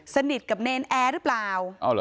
สนิทกับเนรนแอร์หรือเปล่า